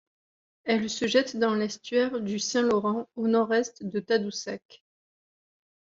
Elle se jette dans l'estuaire du Saint-Laurent au Nord-est de Tadoussac.